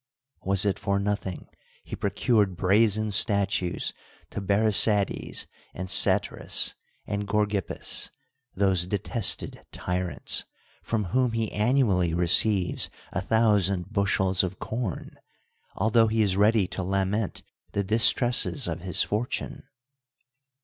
Was it for nothing he procured brazen statues to Berisades and Satyrus, and Gorgippus, those detested tj^rants, from whom he annually receives a thousand bushels of corn, altho he is ready to lament the distresses of his fortune?